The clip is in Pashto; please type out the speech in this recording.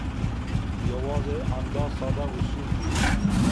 یوازې همدا ساده اصول دي.